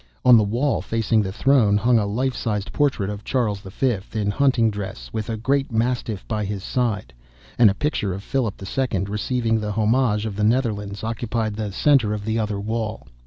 On the wall, facing the throne, hung a life sized portrait of Charles V. in hunting dress, with a great mastiff by his side, and a picture of Philip II. receiving the homage of the Netherlands occupied the centre of the other wall.